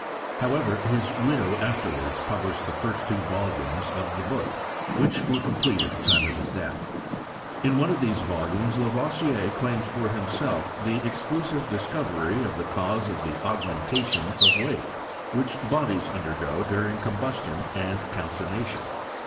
However, his widow afterwards published the first two volumes of the book, which were com > plete at the time of his death. In one of these folumes Lavoisier claims for himself the exclusive discovery of the cause of the augmentation of weight vhich bodies undergo during combustion and cal cination.